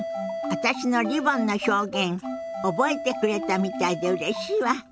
私のリボンの表現覚えてくれたみたいでうれしいわ。